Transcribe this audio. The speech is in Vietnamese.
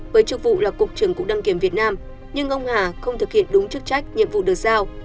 với chức vụ là cục trưởng cục đăng kiểm việt nam nhưng ông hà không thực hiện đúng chức trách nhiệm vụ được giao